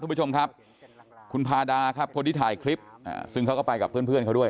คุณผู้ชมครับคุณพาดาครับคนที่ถ่ายคลิปซึ่งเขาก็ไปกับเพื่อนเพื่อนเขาด้วย